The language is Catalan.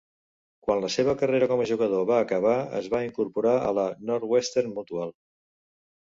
Quan la seva carrera com a jugador va acabar, es va incorporar a la Northwestern Mutual.